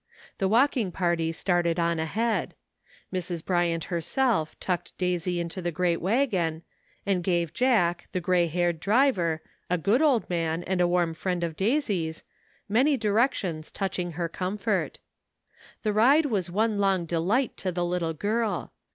The walking party started on ahead. Mrs. Bryant herself tucked Daisy into the great wagon, and gave Jack, the gray haired driver, 38 CLOTHES, a good old man, and a warm friend of Daisy's, many directions touching her comfort. The ride was one long delight to the little girl.